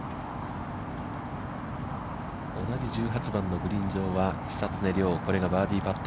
同じ１８番のグリーン上は、久常涼、これがバーディーパット。